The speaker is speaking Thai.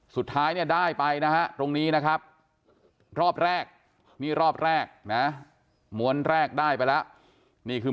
สุดท้ายเนี่ยได้ไปนะฮะตรงนี้นะครับรอบแรกนี่รอบแรกนะม้วนแรกได้ไปแล้วนี่คือ